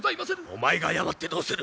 お前が謝ってどうする。